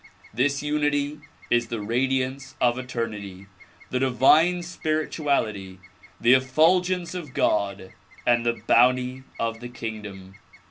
This unity is the radiance of eternity, the divine spirituality, the effulgence of God and the bounty of the kingdom.